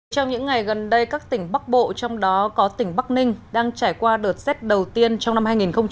trong những ngày gần đây các tỉnh bắc bộ trong đó có tỉnh bắc ninh đang trải qua đợt z đầu tiên trong năm hai nghìn một mươi tám